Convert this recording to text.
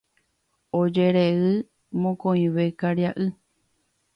Ojerejey mokõive karia'y.